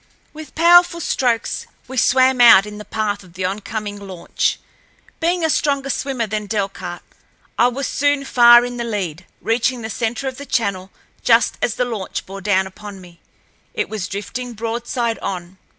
With powerful strokes we swam out in the path of the oncoming launch. Being a stronger swimmer than Delcarte, I soon was far in the lead, reaching the center of the channel just as the launch bore down upon me. It was drifting broadside on.